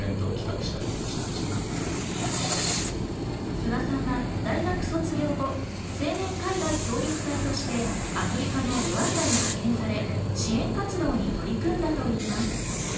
諏訪さんは大学卒業後、青年海外協力隊としてアフリカのルワンダに派遣され、支援活動に取り組んだといいます。